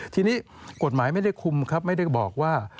ทีนี้กฎหมายไม่ได้คุมครับไม่ได้บอกว่า